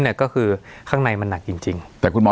สวัสดีครับทุกผู้ชม